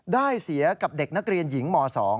ได้เสียกับเด็กนักเรียนหญิงม๒